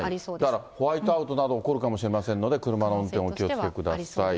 だからホワイトアウトなど起こるかもしれませんので、車の運転、お気を付けください。